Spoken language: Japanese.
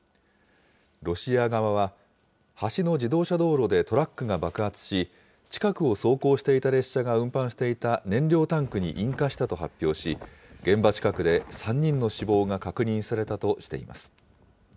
ロシア側は、橋の自動車道路でトラックが爆発し、近くを走行していた列車が運搬していた燃料タンクに引火したと発表し、現場近くで３人の死亡が確認されたとしています。